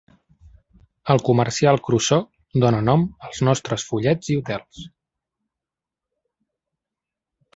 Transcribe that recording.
El comercial Crusoe dóna nom als nostres fullets i hotels.